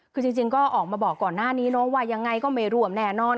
คือจริงก็ออกมาบอกก่อนหน้านี้เนอะว่ายังไงก็ไม่ร่วมแน่นอน